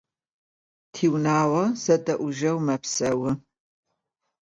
Tiunağo zede'ujeu mepseu.